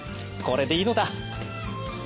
これでいいのだ！